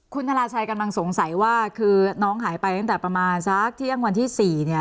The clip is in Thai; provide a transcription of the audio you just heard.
คุณธนาชัยกำลังสงสัยว่าคือน้องหายไปตั้งแต่ประมาณสักเที่ยงวันที่๔เนี่ย